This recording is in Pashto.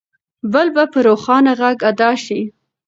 بل به په روښانه غږ ادا شي.